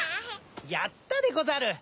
やったでござる！